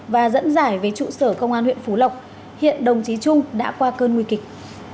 và dẫn giải về trụ sở công an huyện phú lộc hiện đồng chí trung đã qua cơn nguy kịch